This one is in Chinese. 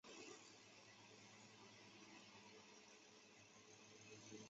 民国时期广东军阀陈济棠三子。